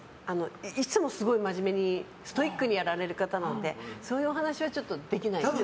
いつもすごい真面目にストイックにやられる方なのでそういうお話はできなかった。